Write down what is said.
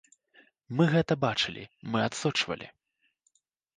Мы гэта бачылі, мы адсочвалі.